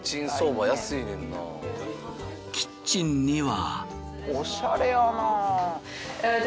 キッチンには。